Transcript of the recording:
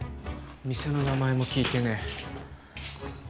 店の名前も聞いてねえ。